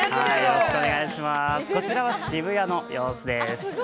こちらは渋谷の様子です。